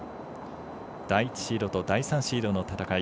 第１シードと第３シードの戦い